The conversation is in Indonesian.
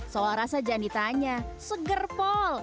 soal rasa jangan ditanya seger pol